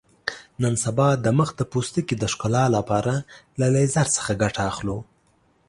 نن سبا د مخ د پوستکي د ښکلا لپاره له لیزر څخه ګټه اخلو.